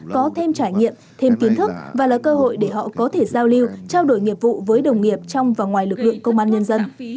có thêm trải nghiệm thêm kiến thức và là cơ hội để họ có thể giao lưu trao đổi nghiệp vụ với đồng nghiệp trong và ngoài lực lượng công an nhân dân